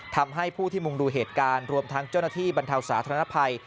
ทำให้ผู้ที่มุงดูเหตุการณ์รวมทั้งเจ้าหน้าที่บรรเทาสาธารณภัย